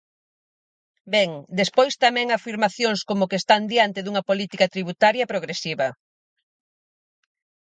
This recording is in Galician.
Ben, despois tamén afirmacións como que están diante dunha política tributaria progresiva.